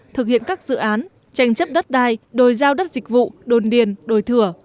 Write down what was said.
thực hiện các dự án tranh chấp đất đai đồi giao đất dịch vụ đồn điền đổi thửa